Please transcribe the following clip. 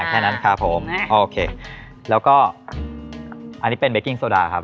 แค่นั้นครับผมโอเคแล้วก็อันนี้เป็นเบกิ้งโซดาครับ